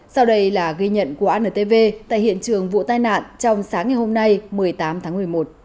sau đây là ghi nhận của antv tại hiện trường vụ tai nạn trong sáng ngày hôm nay một mươi tám tháng một mươi một